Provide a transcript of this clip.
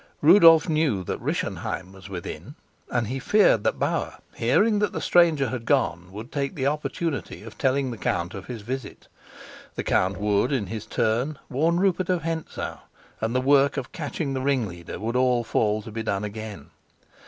Rudolf knew that Rischenheim was within, and he feared that Bauer, hearing that the stranger had gone, would take the opportunity of telling the count of his visit. The count would, in his turn, warn Rupert of Hentzau, and the work of catching the ringleader would all fall to be done again.